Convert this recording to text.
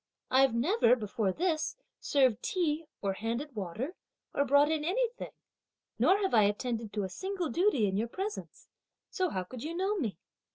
I've never, before this, served tea, or handed water, or brought in anything; nor have I attended to a single duty in your presence, so how could you know me?"